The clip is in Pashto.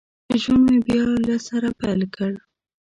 ژوند مې بیا له سره پیل کړ